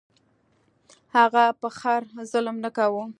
هغه په خر ظلم نه کاوه.